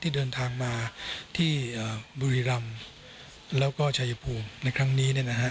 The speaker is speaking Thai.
ที่เดินทางมาที่บุรีรัมแล้วก็ชายภูมิในครั้งนี้